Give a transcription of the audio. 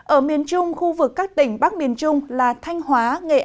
ở miền trung khu vực các tỉnh bắc miền trung là thanh hóa nghệ an